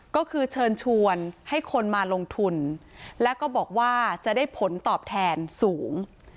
ก็คือเชิญชวนให้คนมาลงทุนแล้วก็บอกว่าจะได้ผลตอบแทนสูง